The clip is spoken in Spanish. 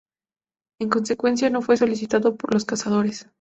En consecuencia, no fue muy solicitado por los cazadores.